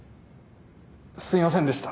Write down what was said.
すいませんでした。